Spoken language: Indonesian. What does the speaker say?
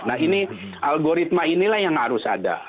nah ini algoritma inilah yang harus ada